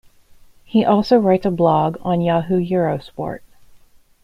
He also writes a blog on Yahoo Eurosport.